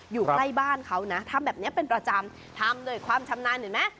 อยู่ใกล้บ้านเขานะทำแบบนี้เป็นประจำทำด้วยความชำนาญเห็นไหม